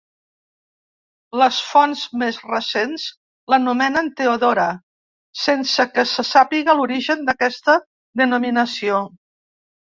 Les fonts més recents la nomenen Teodora, sense que se sàpiga l'origen d'aquesta denominació.